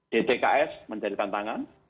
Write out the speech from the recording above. ddks menjadikan tantangan